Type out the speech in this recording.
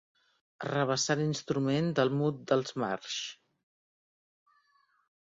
Arrabassar l'instrument del mut dels Marx.